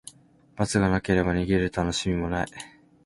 罰がなければ、逃げるたのしみもない。